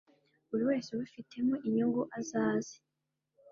buri wese ubifitemo inyungu azaze